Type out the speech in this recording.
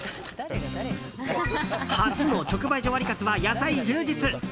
初の直売所ワリカツは野菜充実。